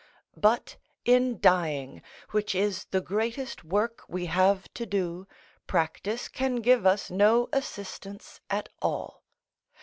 But in dying, which is the greatest work we have to do, practice can give us no assistance at all.